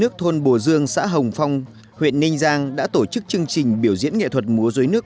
chương trình biểu diễn nghệ thuật mô dối nước